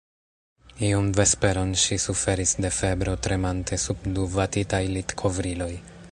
Iun vesperon ŝi suferis de febro, tremante sub du vatitaj litkovriloj.